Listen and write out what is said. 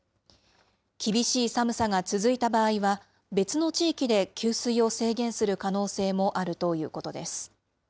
厳しい寒さが続いた場合は、別の地域で給水を制限する可能性もあるということです。